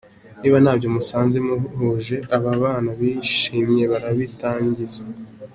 Niba ntabyo musanze muhuje, ababana bishimye barabitangiza.